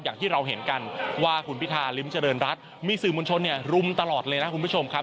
อย่างที่เราเห็นกันว่าคุณพิธาริมเจริญรัฐมีสื่อมวลชนเนี่ยรุมตลอดเลยนะคุณผู้ชมครับ